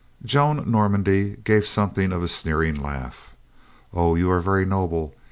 Joan Normandy gave something of a sneering laugh. "Oh, you are very noble !